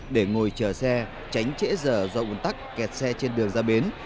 để ngồi chờ xe tránh trễ giờ do quần tắc kẹt xe trên đường ra bến